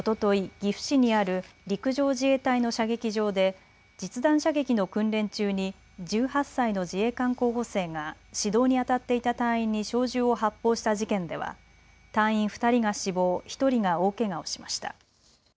岐阜市にある陸上自衛隊の射撃場で実弾射撃の訓練中に１８歳の自衛官候補生が指導にあたっていた隊員に小銃を発砲した事件では隊員２人が死亡、１人が大けがをしました。